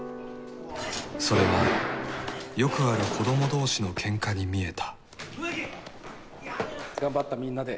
それはよくある子供同士のけんかに見えた。